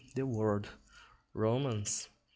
_, the world (Rom. v.